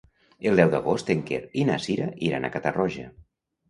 El deu d'agost en Quer i na Sira iran a Catarroja.